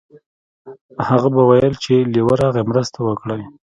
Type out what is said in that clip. هغه به ویل چې لیوه راغی مرسته وکړئ.